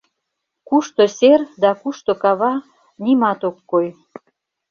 Кушто сер да кушто кава — нимат ок кой.